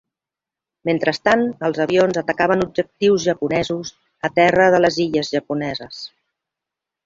"Mentrestant, els avions atacaven objectius japonesos a terra de les illes japoneses."